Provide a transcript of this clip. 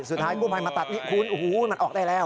สุดท้ายกู้ภัยมาตัดนี่คุณโอ้โหมันออกได้แล้ว